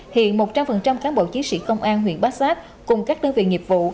hiện một trăm linh cán bộ chiến sĩ công an huyện bát sát cùng các đơn vị nghiệp vụ